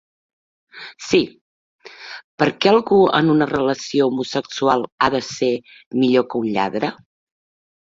Sí, per què algú en una relació homosexual ha de ser millor que un lladre?